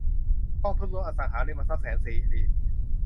กองทุนรวมอสังหาริมทรัพย์แสนสิริ